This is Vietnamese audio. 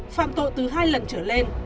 phạm tội từ hai lần trở lên